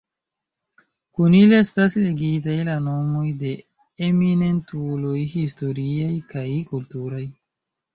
Kun ili estas ligitaj la nomoj de eminentuloj historiaj kaj kulturaj.